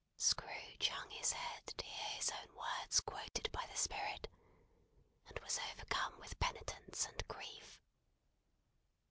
Scrooge hung his head to hear his own words quoted by the Spirit, and was overcome with penitence and grief.